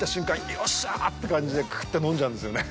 よっしゃーって感じでクーっと飲んじゃうんですよね。